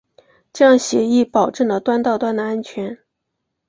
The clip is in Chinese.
这样协议保证了端到端的安全。